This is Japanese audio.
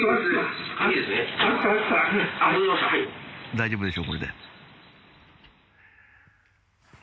大丈夫でしょこれで。